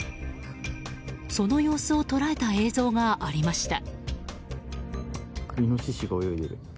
その様子を捉えた映像がありました。